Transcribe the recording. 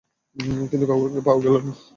কিন্তু কাউকে পাওয়া গেল না।